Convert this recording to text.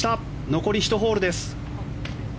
残り１ホールです。